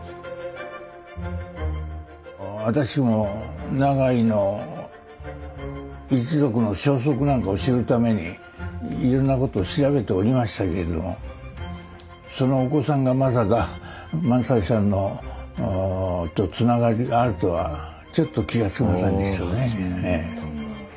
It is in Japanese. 私も永井の一族の消息などを知るためにいろんなことを調べておりましたけれどもそのお子さんがまさか萬斎さんとつながりがあるとはちょっと気がつきませんでしたね。